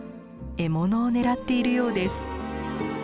獲物を狙っているようです。